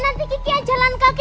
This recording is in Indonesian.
nanti kiki aja jalan kaki